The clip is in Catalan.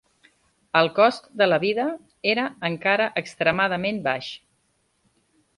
El cost de la vida era encara extremadament baix